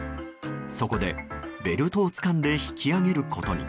そこで、ベルトをつかんで引き上げることに。